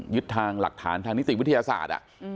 ยึดทางหลักฐานทางนิติวิทยาศาสตร์